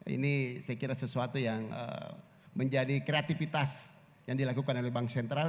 ini saya kira sesuatu yang menjadi kreativitas yang dilakukan oleh bank sentral